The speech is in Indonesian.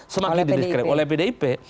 semakin di diskret oleh pdip